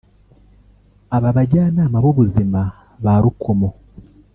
Aba bajyanama b’ubuzima ba Rukomo